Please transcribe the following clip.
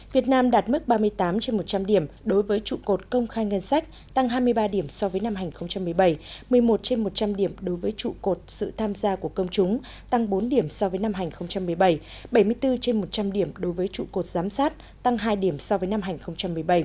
việt nam đạt mức ba mươi tám trên một trăm linh điểm đối với trụ cột công khai ngân sách tăng hai mươi ba điểm so với năm hành một mươi bảy một mươi một trên một trăm linh điểm đối với trụ cột sự tham gia của công chúng tăng bốn điểm so với năm hành một mươi bảy bảy mươi bốn trên một trăm linh điểm đối với trụ cột giám sát tăng hai điểm so với năm hành một mươi bảy